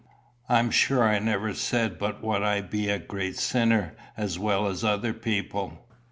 "I'm sure I never said but what I be a great sinner, as well as other people."